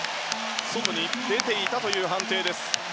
外に出ていたという判定です。